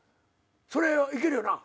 それいけるよな。